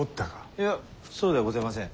いやそうではごぜません。